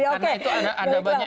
karena itu ada banyak